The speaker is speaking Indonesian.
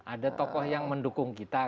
ada tokoh yang mendukung kita